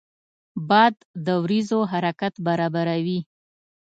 باد د وریځو حرکت برابروي